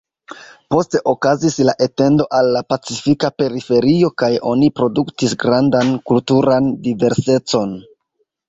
Poste okazis la etendo al la pacifika periferio kaj oni produktis grandan kulturan diversecon.